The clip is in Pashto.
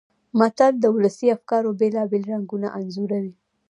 متل د ولسي افکارو بېلابېل رنګونه انځوروي